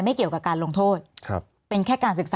มีความรู้สึกว่ามีความรู้สึกว่า